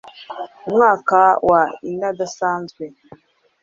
Umwaka wa n Idasanzwe